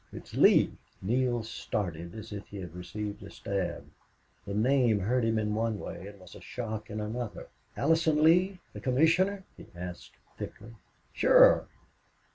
It's Lee." Neale started as if he had received a stab; the name hurt him in one way and was a shock in another. "Allison Lee the commissioner?" he asked, thickly. "Sure.